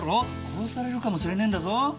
殺されるかもしれねぇんだぞ。